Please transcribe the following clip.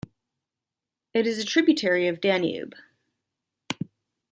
It is a tributary of Danube.